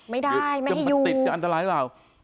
ไม่ได้ไม่ให้อยู่